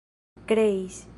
kreis